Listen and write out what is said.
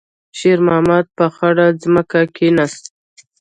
شېرمحمد په خړه ځمکه کېناست.